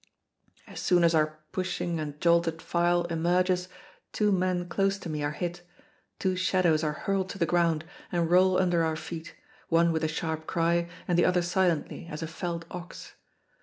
As soon as our pushing and jolted file emerges, two men close to me are hit, two shadows are hurled to the ground and roll under our feet, one with a sharp cry, and the other silently, as a felled ox.